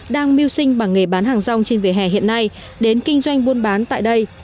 đang mưu sinh bằng nghề bán hàng rong trên vỉa hè hiện nay đến kinh doanh buôn bán tại đây